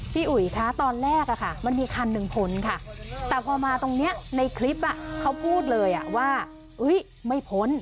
พี่อุ๊ยคะตอนแรกอะค่ะมันมีคันหนึ่งพ้นค่ะแต่พอมาตรงเนี้ยในคลิปอ่ะเขาพูดเลยอ่ะว่าอุ๊ยไม่พ้น